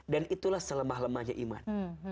dan itulah selemah lemahnya iman